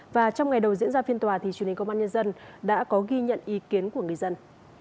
và trong ngày đầu diễn ra phiên tòa thì truyền hình công an nhân dân đã có ghi nhận ý kiến của người dân